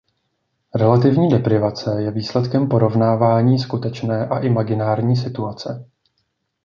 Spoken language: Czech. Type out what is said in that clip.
Relativní deprivace je výsledkem porovnávání skutečné a imaginární situace.